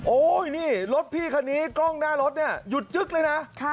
โอ้ยนี่รถพี่คันนี้กล้องหน้ารถเนี่ยหยุดจึ๊กเลยนะ